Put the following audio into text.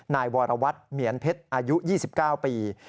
นายวรวัตรเหมียนเพชรอายุ๒๙ปี